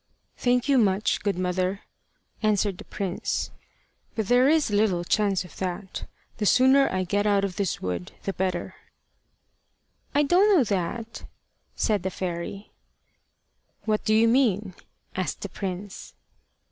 "Thank you much, good mother," answered the prince; "but there is little chance of that. The sooner I get out of this wood the better." "I don't know that," said the fairy. "What do you mean?" asked the prince.